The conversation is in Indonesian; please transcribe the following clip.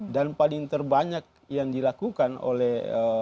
dan kemampuan yang terbanyak yang dilakukan oleh